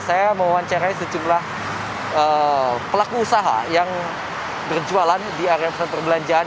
saya mewawancarai sejumlah pelaku usaha yang berjualan di area pusat perbelanjaan